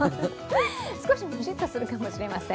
少しムシッとするかもしれません。